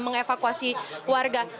memang evakuasi warga